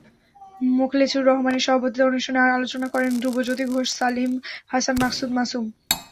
মোখলেছুর রহমানের সভাপতিত্বে অনুষ্ঠানে আলোচনা করেন ধ্রুবজ্যোতি ঘোষ, সালিম হাসান, মাকসুদ মাসুম।